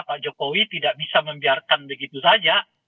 pak jokowi tidak bisa membiarkan begitu saja